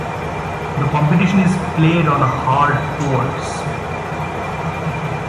The competition is played on hard courts.